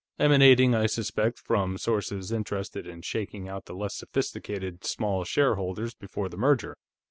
"Emanating, I suspect, from sources interested in shaking out the less sophisticated small shareholders before the merger.